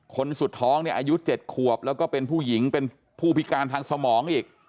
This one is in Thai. สุดท้องเนี่ยอายุ๗ขวบแล้วก็เป็นผู้หญิงเป็นผู้พิการทางสมองอีก